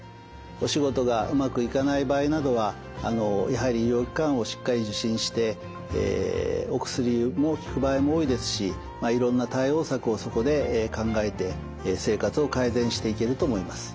お仕事がうまくいかない場合などはやはり医療機関をしっかり受診してお薬も効く場合も多いですしいろんな対応策をそこで考えて生活を改善していけると思います。